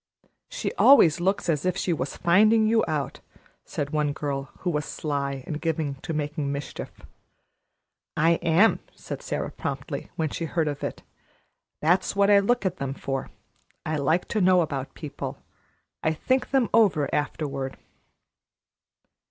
"She always looks as if she was finding you out," said one girl, who was sly and given to making mischief. "I am," said Sara promptly, when she heard of it. "That's what I look at them for. I like to know about people. I think them over afterward."